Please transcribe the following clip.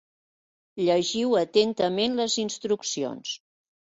Llegiu atentament les instruccions.